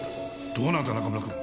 どうなんだ中村くん